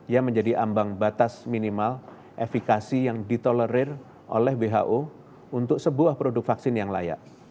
yang menjadi ambang batas minimal efekasi yang ditolerir oleh who untuk sebuah produk vaksin yang layak